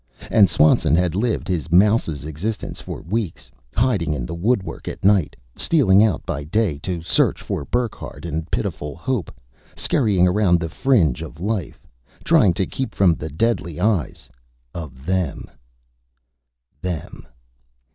And Swanson had lived his mouse's existence for weeks, hiding in the woodwork at night, stealing out by day to search for Burckhardt in pitiful hope, scurrying around the fringe of life, trying to keep from the deadly eyes of them. Them.